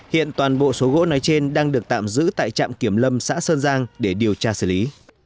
hiện toàn bộ số gỗ nói trên đang được tạm giữ tại trạm kiểm lâm xã sơn giang để điều tra xử lý